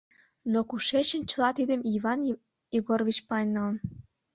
«Но кушечын чыла тидым Иван Егорович пален налын?